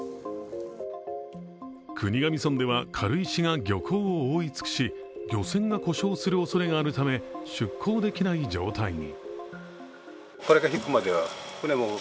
国頭村では軽石が漁港を覆い尽くし漁船が故障するおそれがあるため出港できない状態に。